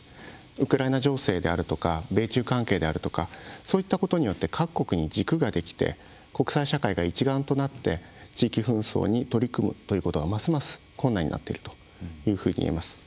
ウクライナ情勢であるとか米中関係であるとかそういったことによって各国に軸ができて国際社会が一丸となって地域紛争に取り組むということがますます困難になっているというふうにいえます。